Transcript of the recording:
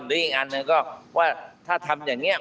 หรืออีกอันหนึ่งก็ว่าถ้าทำอย่างนี้